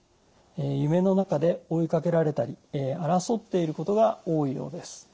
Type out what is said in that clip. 夢の中で追いかけられたり争っていることが多いようです。